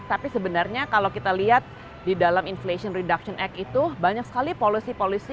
tapi sebenarnya kalau kita lihat di dalam inflation reduction act itu banyak sekali policy policy